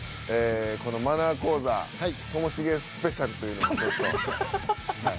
このマナー講座ともしげスペシャルというのもちょっとはい。